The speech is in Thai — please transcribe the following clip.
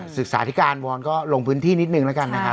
ศึกษาธิการวอนก็ลงพื้นที่นิดนึงแล้วกันนะครับ